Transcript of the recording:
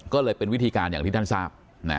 ก็เลยเป็นวิธีการอย่างที่ท่านทราบ